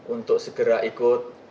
untuk segera ikut